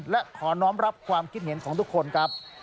และขอน้องรับความคิดเห็นของทุกคนครับ